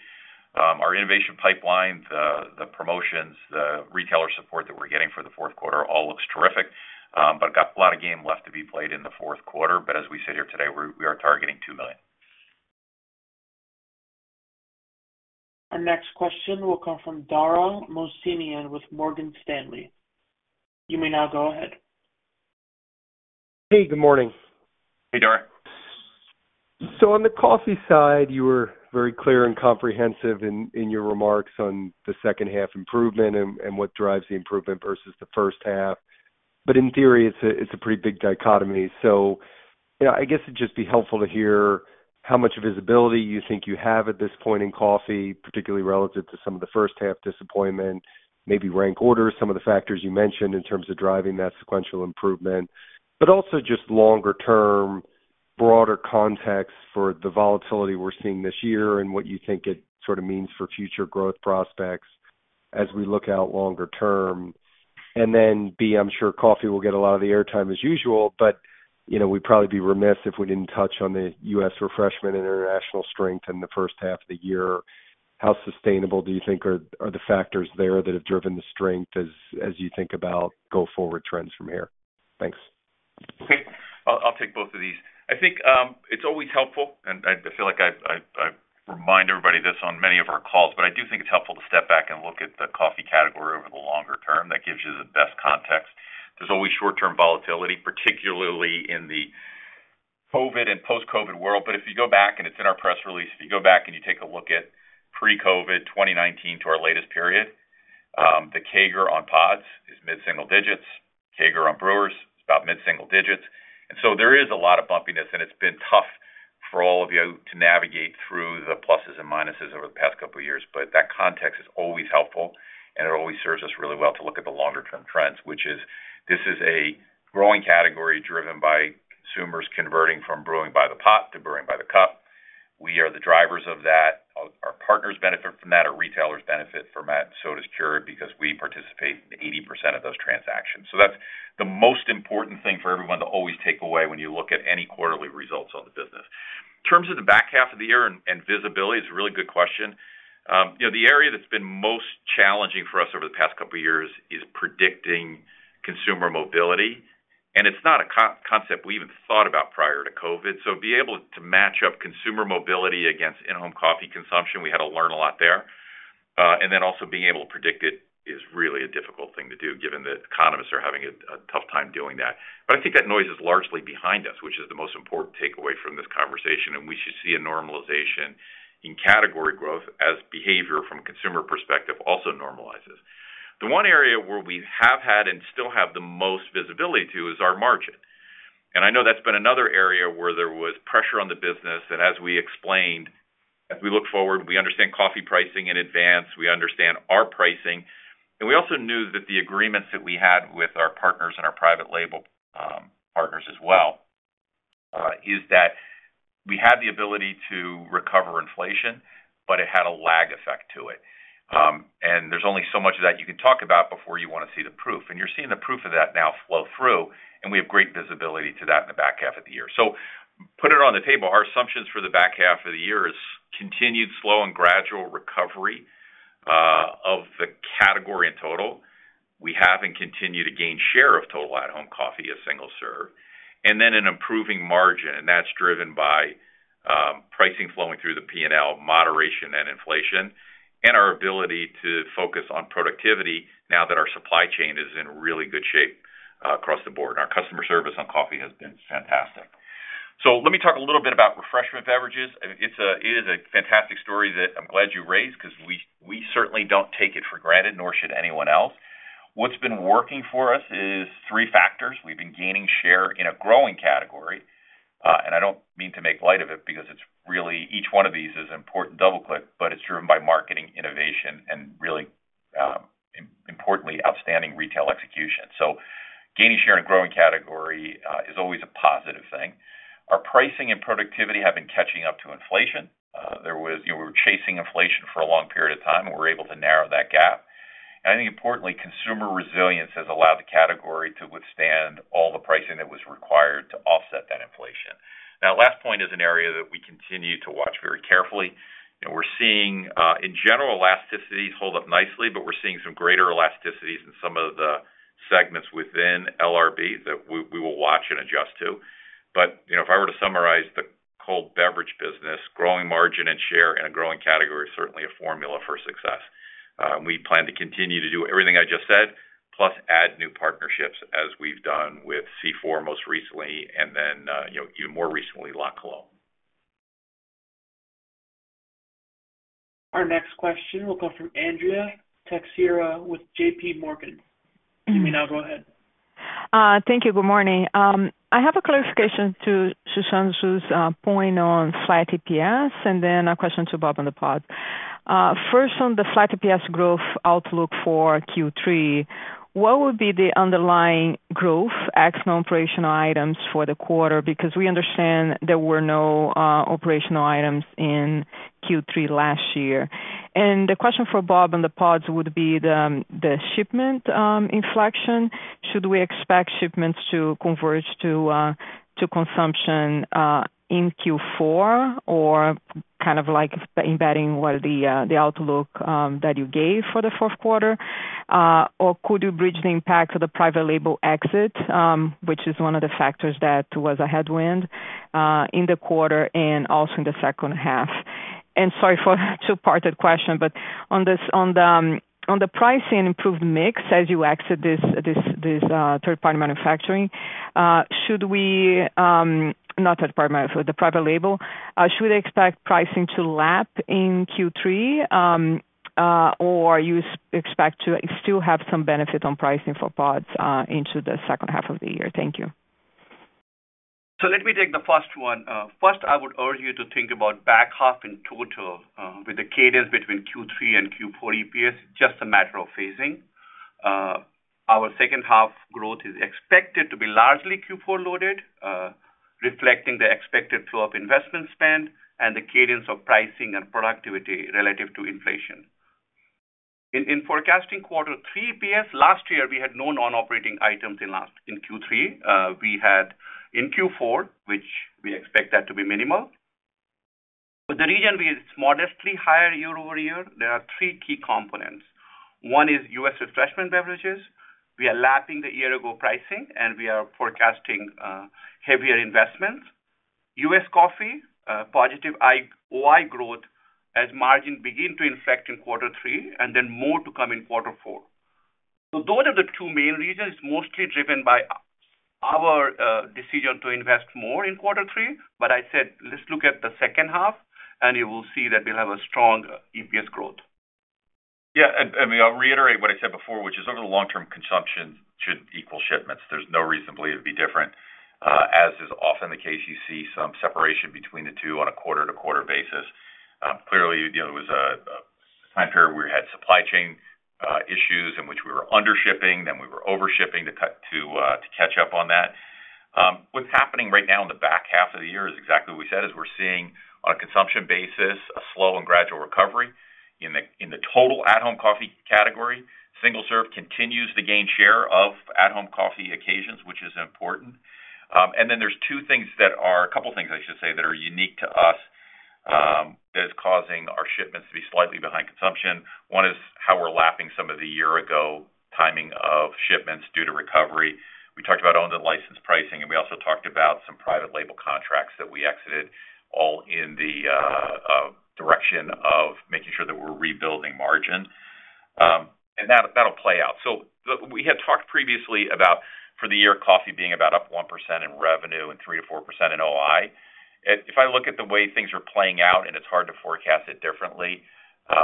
Our innovation pipelines, the promotions, the retailer support that we're getting for the fourth quarter all looks terrific, got a lot of game left to be played in the fourth quarter. As we sit here today, we are targeting 2 million. Our next question will come from Dara Mohsenian with Morgan Stanley. You may now go ahead. Hey, good morning. Hey, Dara. On the coffee side, you were very clear and comprehensive in your remarks on the second half improvement and what drives the improvement versus the first half. In theory, it's a pretty big dichotomy. I guess it'd just be helpful to hear how much visibility you think you have at this point in coffee, particularly relative to some of the first half disappointment. Maybe rank order, some of the factors you mentioned in terms of driving that sequential improvement, but also just longer term, broader context for the volatility we're seeing this year and what you think it sort of means for future growth prospects as we look out longer term. B, I'm sure coffee will get a lot of the airtime as usual, but, you know, we'd probably be remiss if we didn't touch on the U.S. refreshment and international strength in the first half of the year. How sustainable do you think are the factors there that have driven the strength as you think about go-forward trends from here? Thanks. I'll take both of these. I think it's always helpful, and I feel like I remind everybody this on many of our calls, but I do think it's helpful to step back and look at the coffee category over the longer term. That gives you the best context. There's always short-term volatility, particularly in the COVID and post-COVID world. If you go back, and it's in our press release, if you go back and you take a look at pre-COVID, 2019 to our latest period, the CAGR on pods is mid-single digits. CAGR on brewers is about mid-single digits. There is a lot of bumpiness, and it's been tough for all of you to navigate through the pluses and minuses over the past couple of years. That context is always helpful, and it always serves us really well to look at the longer term trends, which is, this is a growing category driven by consumers converting from brewing by the pot to brewing by the cup. We are the drivers of that. Our partners benefit from that, our retailers benefit from that, so does Keurig because we participate in 80% of those transactions. That's the most important thing for everyone to always take away when you look at any quarterly results on the business. In terms of the back half of the year and visibility, it's a really good question. You know, the area that's been most challenging for us over the past couple of years is predicting consumer mobility, and it's not a concept we even thought about prior to COVID. Be able to match up consumer mobility against in-home coffee consumption, we had to learn a lot there. And then also being able to predict it is really a difficult thing to do, given that economists are having a tough time doing that. I think that noise is largely behind us, which is the most important takeaway from this conversation, and we should see a normalization in category growth as behavior from a consumer perspective also normalizes. The one area where we have had and still have the most visibility to is our margin. I know that's been another area where there was pressure on the business. As we explained, as we look forward, we understand coffee pricing in advance, we understand our pricing, and we also knew that the agreements that we had with our partners and our private label partners as well, is that we had the ability to recover inflation, but it had a lag effect to it. There's only so much of that you can talk about before you want to see the proof. You're seeing the proof of that now flow through, and we have great visibility to that in the back half of the year. Putting it on the table, our assumptions for the back half of the year is continued slow and gradual recovery of the category in total. We have and continue to gain share of total at-home coffee as single-serve, and then an improving margin, and that's driven by pricing flowing through the P&L, moderation and inflation, and our ability to focus on productivity now that our supply chain is in really good shape across the board. Our customer service on coffee has been fantastic. Let me talk a little bit about refreshment beverages. It is a fantastic story that I'm glad you raised because we, we certainly don't take it for granted, nor should anyone else. What's been working for us is three factors. We've been gaining share in a growing category, and I don't mean to make light of it because it's really, each one of these is important, double click, but it's driven by marketing innovation and really, importantly, outstanding retail execution. Gaining share in a growing category is always a positive thing. Our pricing and productivity have been catching up to inflation. There was, you know, we were chasing inflation for a long period of time, and we're able to narrow that gap. I think importantly, consumer resilience has allowed the category to withstand all the pricing that was required to offset that inflation. Last point is an area that we continue to watch very carefully, and we're seeing, in general, elasticities hold up nicely, but we're seeing some greater elasticities in some of the segments within LRB that we will watch and adjust to. You know, if I were to summarize the cold beverage business, growing margin and share in a growing category is certainly a formula for success. We plan to continue to do everything I just said, plus add new partnerships as we've done with C4 most recently, and then, you know, more recently, LaCroix. Our next question will come from Andrea Teixeira with JPMorgan. You may now go ahead. Thank you. Good morning. I have a clarification to Sudhanshu's point on flat EPS, and then a question to Bob on the pod. First on the flat EPS growth outlook for Q3, what would be the underlying growth ex non-operational items for the quarter? We understand there were no operational items in Q3 last year. The question for Bob on the pods would be the shipment inflection. Should we expect shipments to converge to consumption in Q4, or kind of like embedding what the outlook that you gave for the fourth quarter? Or could you bridge the impact of the private label exit, which is one of the factors that was a headwind in the quarter and also in the second half? Sorry for a two-parted question, but on the pricing and improved mix as you exit this third-party manufacturing, should we, not third-party, the private label, should we expect pricing to lap in Q3, or you expect to still have some benefit on pricing for pods into the second half of the year? Thank you. Let me take the first one. First, I would urge you to think about back half in total, with the cadence between Q3 and Q4 EPS, just a matter of phasing. Our second half growth is expected to be largely Q4 loaded, reflecting the expected flow of investment spend and the cadence of pricing and productivity relative to inflation. In, in forecasting Q3 EPS last year, we had no non-operating items in Q3. We had in Q4, which we expect that to be minimal. For the region, we is modestly higher year-over-year. There are three key components. One is US Refreshment Beverages. We are lapping the year ago pricing, and we are forecasting heavier investments. US Coffee, positive OI growth as margin begin to inflect in Q3, and then more to come in Q4. Those are the two main reasons, mostly driven by our decision to invest more in Q3. I said, let's look at the second half, and you will see that we'll have a strong EPS growth. I'll reiterate what I said before, which is over the long term, consumption should equal shipments. There's no reason to believe it'd be different. As is often the case, you see some separation between the two on a quarter-to-quarter basis. Clearly, you know, it was a time period where we had supply chain issues in which we were under shipping, then we were over shipping to catch up on that. What's happening right now in the back half of the year is exactly what we said, is we're seeing on a consumption basis, a slow and gradual recovery. In the total at-home coffee category, single serve continues to gain share of at-home coffee occasions, which is important. Then there's two things that are... A couple of things I should say, that are unique to us, that is causing our shipments to be slightly behind consumption. One is how we're lapping some of the year-ago timing of shipments due to recovery. We talked about owned and licensed pricing, and we also talked about some private label contracts that we exited, all in the direction of making sure that we're rebuilding margin. That, that'll play out. We had talked previously about for the year, coffee being about up 1% in revenue and 3%-4% in OI. If I look at the way things are playing out, and it's hard to forecast it differently,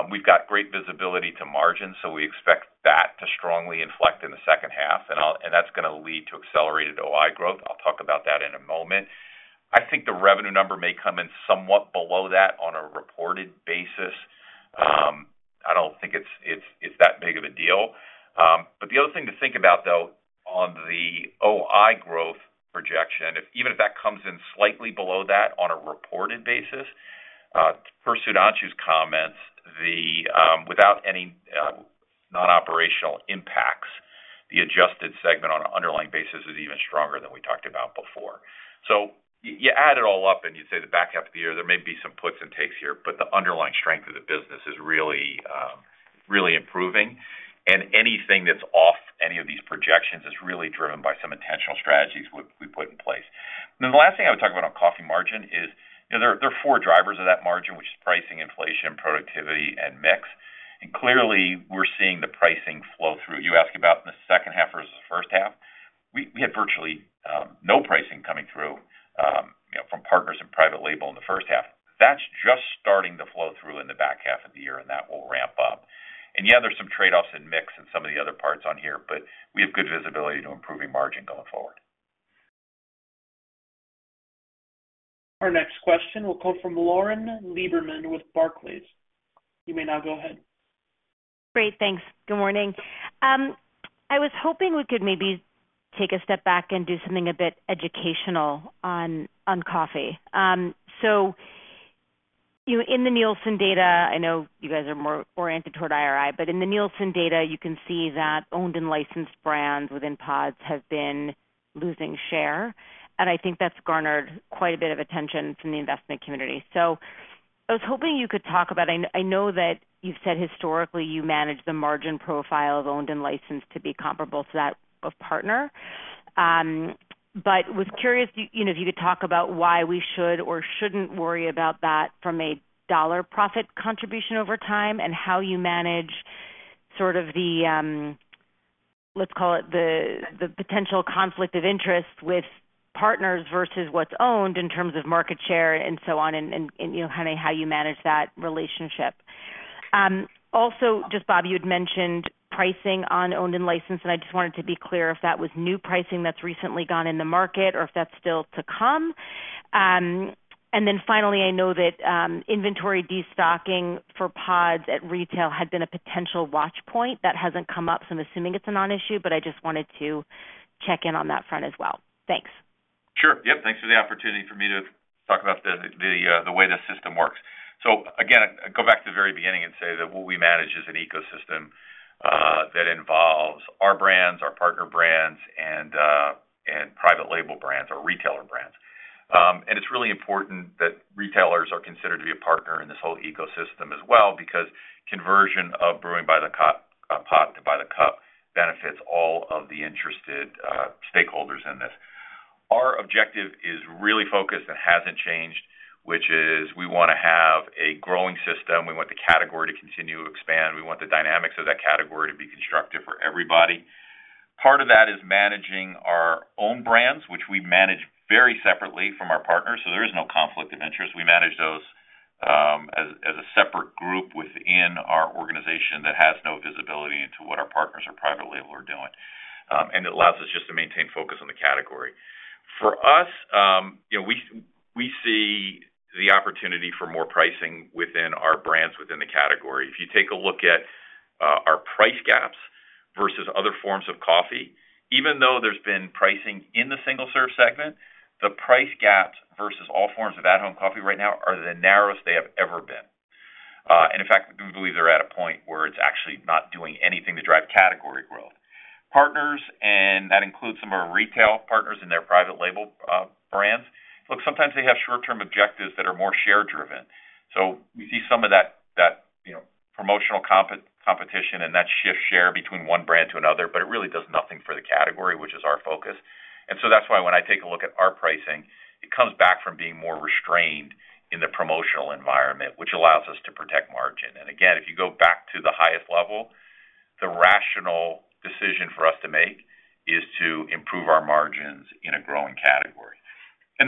we've got great visibility to margin, so we expect that to strongly inflect in the second half, and that's gonna lead to accelerated OI growth. I'll talk about that in a moment. I think the revenue number may come in somewhat below that on a reported basis. I don't think it's, it's, it's that big of a deal. The other thing to think about, though, on the OI growth projection, if even if that comes in slightly below that on a reported basis, per Sudhanshu's comments, the, without any, non-operational impacts, the adjusted segment on an underlying basis is even stronger than we talked about before. You add it all up and you say the back half of the year, there may be some puts and takes here, but the underlying strength of the business is really, really improving, and anything that's off any of these projections is really driven by some intentional strategies we, we put in place. The last thing I would talk about on coffee margin is, you know, there are four drivers of that margin, which is pricing, inflation, productivity, and mix. Clearly, we're seeing the pricing flow through. You ask about in the second half versus the first half, we had virtually no pricing coming through, you know, from partners and private label in the first half. That's just starting to flow through in the back half of the year, and that will ramp up. Yeah, there's some trade-offs in mix and some of the other parts on here, but we have good visibility to improving margin going forward. Our next question will come from Lauren Lieberman with Barclays. You may now go ahead. Great, thanks. Good morning. I was hoping we could maybe take a step back and do something a bit educational on, on coffee. You know, in the Nielsen data, I know you guys are more oriented toward IRI, but in the Nielsen data, you can see that owned and licensed brands within pods have been losing share, and I think that's garnered quite a bit of attention from the investment community. I was hoping you could talk about. I know that you've said historically, you manage the margin profile of owned and licensed to be comparable to that of partner. Was curious, you know, if you could talk about why we should or shouldn't worry about that from a dollar profit contribution over time, and how you manage sort of the, let's call it the potential conflict of interest with partners versus what's owned in terms of market share and so on, and, you know, kind of how you manage that relationship. Just, Bob, you had mentioned pricing on owned and licensed, and I just wanted to be clear if that was new pricing that's recently gone in the market or if that's still to come. Finally, I know that inventory destocking for pods at retail had been a potential watch point. That hasn't come up, so I'm assuming it's a non-issue, but I just wanted to check in on that front as well. Thanks. Sure. Yep, thanks for the opportunity for me to talk about the, the way the system works. Again, go back to the very beginning and say that what we manage is an ecosystem that involves our brands, our partner brands and private label brands or retailer brands. It's really important that retailers are considered to be a partner in this whole ecosystem as well, because conversion of brewing by the pot to by the cup benefits all of the interested stakeholders in this. Our objective is really focused and hasn't changed, which is we want to have a growing system. We want the category to continue to expand. We want the dynamics of that category to be constructive for everybody. Part of that is managing our own brands, which we manage very separately from our partners, so there is no conflict of interest. We manage those as a separate group within our organization that has no visibility into what our partners or private label are doing. It allows us just to maintain focus on the category. For us, you know, we see the opportunity for more pricing within our brands, within the category. If you take a look at our price gaps versus other forms of coffee, even though there's been pricing in the single-serve segment, the price gaps versus all forms of at-home coffee right now are the narrowest they have ever been. In fact, we believe they're at a point where it's actually not doing anything to drive category growth. Partners, that includes some of our retail partners and their private label brands. Look, sometimes they have short-term objectives that are more share-driven. We see some of that, that, you know, promotional competition and that shift share between one brand to another, but it really does nothing for the category, which is our focus. That's why when I take a look at our pricing, it comes back from being more restrained in the promotional environment, which allows us to protect margin. Again, if you go back to the highest level, the rational decision for us to make is to improve our margins in a growing category.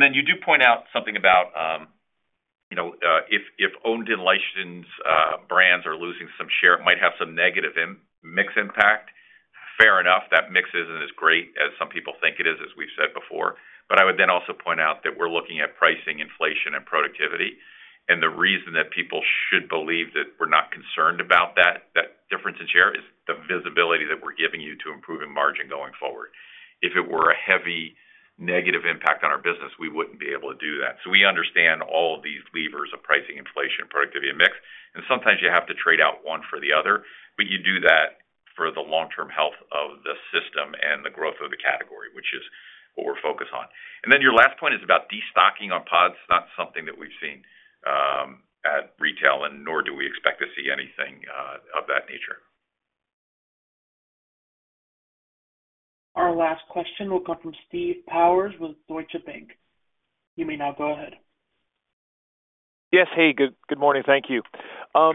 You do point out something about, you know, if owned and licensed brands are losing some share, it might have some negative mix impact. Fair enough, that mix isn't as great as some people think it is, as we've said before. I would then also point out that we're looking at pricing, inflation, and productivity. The reason that people should believe that we're not concerned about that, that difference in share is the visibility that we're giving you to improving margin going forward. If it were a heavy negative impact on our business, we wouldn't be able to do that. We understand all of these levers of pricing, inflation, productivity, and mix, and sometimes you have to trade out one for the other, but you do that for the long-term health of the system and the growth of the category, which is what we're focused on. Your last point is about destocking on pods. It's not something that we've seen at retail. Nor do we expect to see anything of that nature. Our last question will come from Steve Powers with Deutsche Bank. You may now go ahead. Yes. Hey, good morning. Thank you. I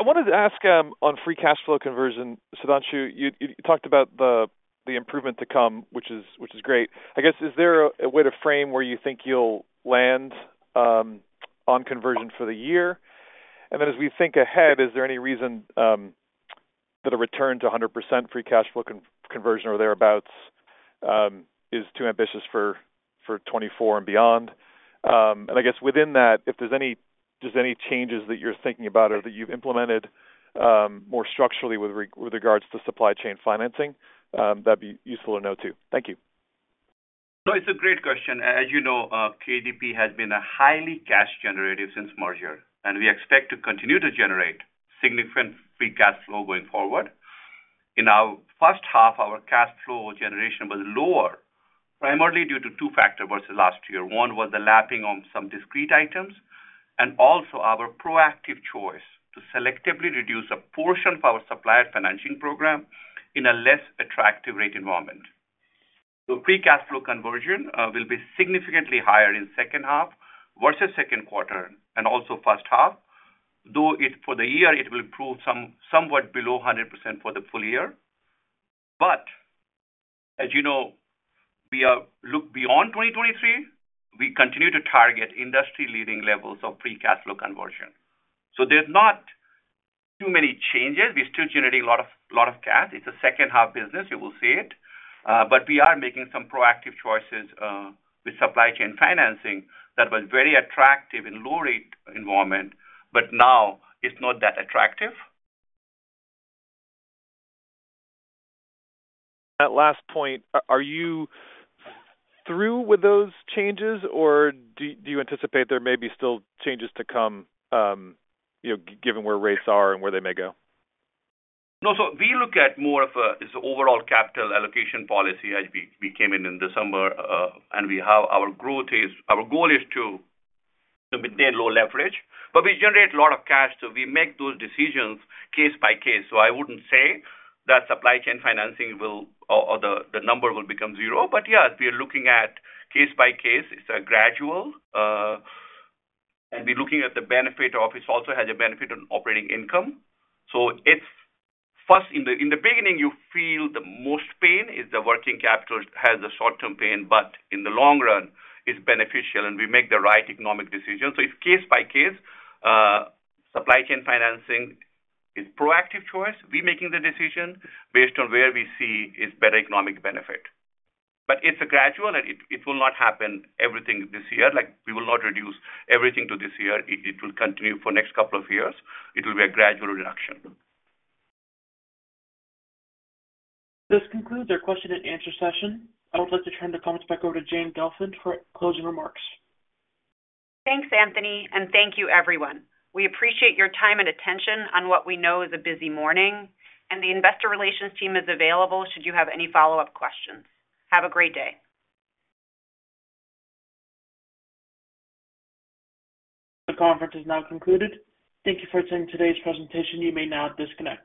wanted to ask on free cash flow conversion, Sudhanshu, you talked about the improvement to come, which is great. I guess, is there a way to frame where you think you'll land on conversion for the year? As we think ahead, is there any reason that a return to 100% free cash flow conversion or thereabout is too ambitious for 2024 and beyond? I guess within that, if there's any changes that you're thinking about or that you've implemented more structurally with regards to supply chain financing, that'd be useful to know, too. Thank you. It's a great question. As you know, KDP has been a highly cash generative since merger, and we expect to continue to generate significant free cash flow going forward. In our first half, our cash flow generation was lower, primarily due to two factors versus last year. One was the lapping on some discrete items, and also our proactive choice to selectively reduce a portion of our supplier financing program in a less attractive rate environment. Free cash flow conversion will be significantly higher in second half versus second quarter and also first half, though it for the year, it will prove somewhat below 100% for the full year. But as you know, we are look beyond 2023, we continue to target industry-leading levels of free cash flow conversion. There's not too many changes. We're still generating a lot of cash. It's a second-half business, you will see it, but we are making some proactive choices with supply chain financing that was very attractive in low rate environment, but now it's not that attractive. That last point, are you through with those changes, or do you anticipate there may be still changes to come, you know, given where rates are and where they may go? No, we look at more of a, as a overall capital allocation policy as we came in in December, and Our goal is to maintain low leverage, but we generate a lot of cash, so we make those decisions case by case. I wouldn't say that supply chain financing will or the number will become zero. Yes, we are looking at case by case. It's a gradual, and we're looking at the benefit of it also has a benefit on operating income. It's first in the beginning, you feel the most pain, is the working capital has a short-term pain, but in the long run, it's beneficial, and we make the right economic decision. It's case by case, supply chain financing is proactive choice. We're making the decision based on where we see is better economic benefit. It's a gradual, and it will not happen everything this year. Like, we will not reduce everything to this year. It will continue for next couple of years. It will be a gradual reduction. This concludes our question and answer session. I would like to turn the comments back over to Jane Gelfand for closing remarks. Thanks, Anthony, and thank you, everyone. We appreciate your time and attention on what we know is a busy morning, and the investor relations team is available should you have any follow-up questions. Have a great day. The conference is now concluded. Thank you for attending today's presentation. You may now disconnect.